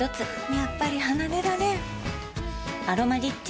やっぱり離れられん「アロマリッチ」